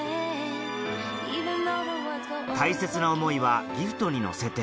大切な思いはギフトに乗せて